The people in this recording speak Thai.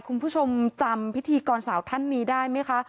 คุณผู้ชมจำพิธีกรสาวท่านนี้ได้ไหมคะ